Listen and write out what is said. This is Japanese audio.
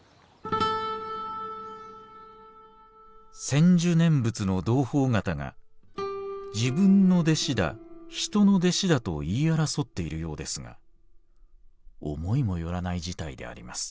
「専修念仏の同朋方が自分の弟子だ人の弟子だと言い争っているようですが思いもよらない事態であります。